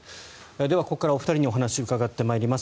ではここからお二人にお話を伺っていきます。